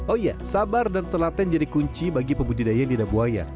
oh iya sabar dan telaten jadi kunci bagi pembudidaya lidah buaya